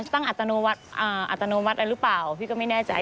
ตั้งอัตโนมัติหรือเปล่าพี่ก็ไม่แน่ใจ